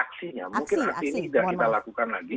aksinya mungkin aksi ini tidak kita lakukan lagi